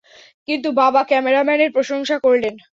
কিন্তু, বাবা ক্যামেরাম্যানের প্রশংসা করলেন।